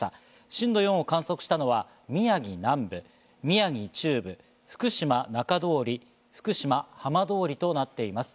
震度４を観測したのは宮城南部、宮城中部、福島中通り、福島浜通りとなっています。